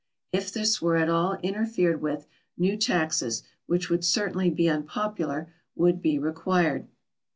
If this were at all interfered with, new taxes, which would certainly be unpopular, would be required.